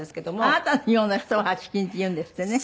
あなたのような人をはちきんっていうんですってね。